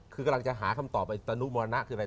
คือกำลังจะหาคำตอบไปตนุมรณะคืออะไร